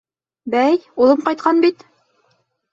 Бәй, улым ҡайтҡан бит!..